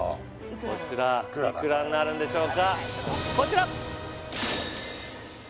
こちらいくらになるんでしょうかこちら！